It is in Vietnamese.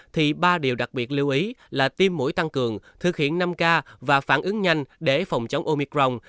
thì ba điều đặc biệt lưu ý là tiêm mũi tăng cường thực hiện năm k và phản ứng nhanh để phòng chống oicron